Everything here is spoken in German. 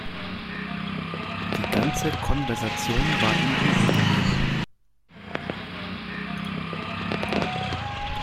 Die ganze Konversation war ihm unangenehm.